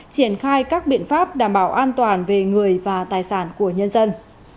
triển khai các biện pháp đảm bảo an toàn về người và tài sản của nhân dân